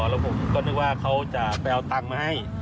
แล้วผมก็นึกว่าเขาจะไปเอาตังค์มาให้